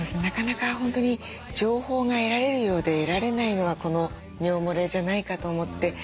なかなか本当に情報が得られるようで得られないのがこの尿もれじゃないかと思って。